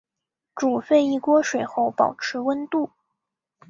煮沸一锅水后保持温度。